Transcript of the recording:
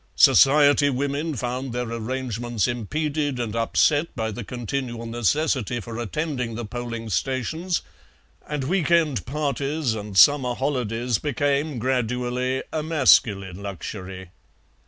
Society women found their arrangements impeded and upset by the continual necessity for attending the polling stations, and week end parties and summer holidays became gradually a masculine luxury.